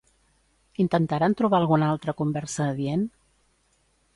Intentaren trobar alguna altra conversa adient?